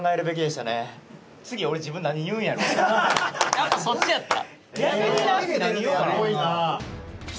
やっぱそっちやった？